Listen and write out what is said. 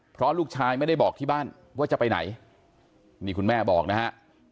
เพราะลูกชายไม่ได้บอกที่บ้านว่าจะไปไหนนี่คุณแม่บอกนะฮะ